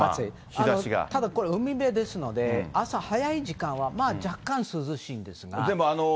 ただこれ、海辺ですので、朝早い時間はまあ若干涼しいんですが。